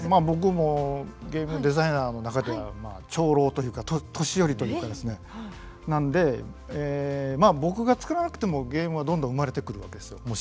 僕もゲームデザイナーの中では長老というか年寄りというかですねなのでまあ僕がつくらなくてもゲームはどんどん生まれてくるわけですよ。